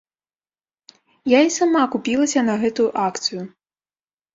Я і сама купілася на гэтую акцыю.